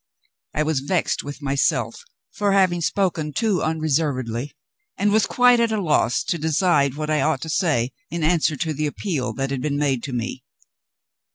I was vexed with myself for having spoken too unreservedly, and was quite at a loss to decide what I ought to say in answer to the appeal that had been made to me.